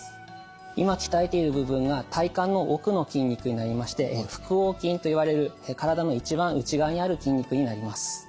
今鍛えている部分が体幹の奥の筋肉になりまして腹横筋といわれる体の一番内側にある筋肉になります。